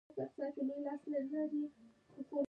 درد بد دی.